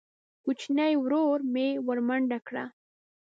کوچیني ورور مې ورمنډه کړه.